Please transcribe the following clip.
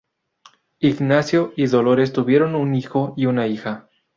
Ignacio y Dolores tuvieron un hijo y una hija.